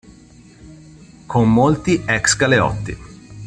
Con molti ex-galeotti.